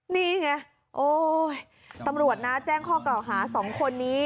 นี่ไงโอ้ยตำรวจนะแจ้งข้อกล่าวหา๒คนนี้